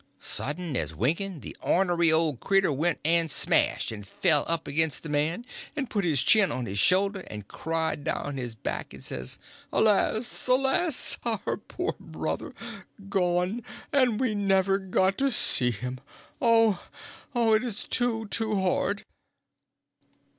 Sudden as winking the ornery old cretur went an to smash, and fell up against the man, and put his chin on his shoulder, and cried down his back, and says: "Alas, alas, our poor brother—gone, and we never got to see him; oh, it's too, too hard!"